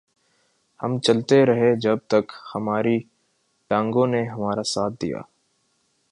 ہم چلتے رہے جب تک ہماری ٹانگوں نے ہمارا ساتھ دیا